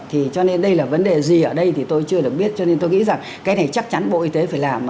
thì cho nên đây là vấn đề gì ở đây thì tôi chưa được biết cho nên tôi nghĩ rằng cái này chắc chắn bộ y tế phải làm